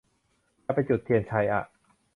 จะไปจุดเทียนชัยอ่ะ